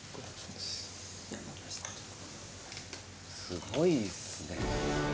すごいっすね。